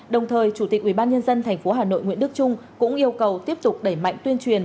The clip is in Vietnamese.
đồng thời chủ tịch ubnd tp hà nội nguyễn đức trung cũng yêu cầu tiếp tục đẩy mạnh tuyên truyền